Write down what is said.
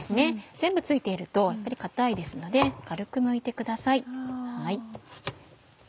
全部付いているとやっぱり硬いですので軽くむいてください。